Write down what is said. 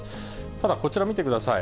ただ、こちら見てください。